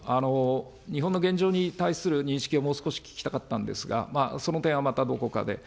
日本の現状に対する認識をもう少し聞きたかったんですが、その点はまたどこかで。